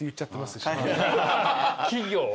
企業？